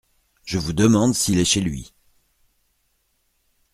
Je vous demande s’il est chez lui.